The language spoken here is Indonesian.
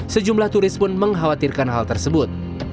sejumlah turis pun mengkhawatirkan hal tersebut